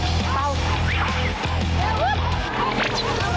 นิดเดียวนิดเดียว